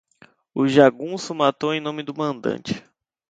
O jagunço matou em nome do mandante